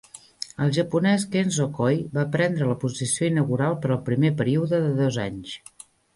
El japonès Kenzo Koi va prendre la posició inaugural per al primer període de dos anys.